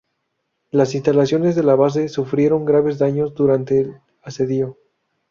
Las instalaciones de la base sufrieron graves daños durante el asedio.